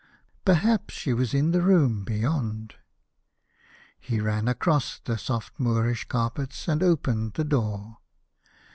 Perhaps she was in the room beyond. He ran across the solt Moorish carpets, and opened the door.